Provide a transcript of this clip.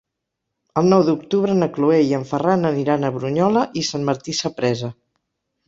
El nou d'octubre na Cloè i en Ferran aniran a Brunyola i Sant Martí Sapresa.